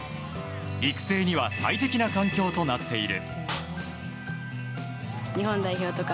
育成には最適な環境となっている。